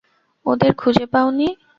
ওদের খুঁজে পাও নি।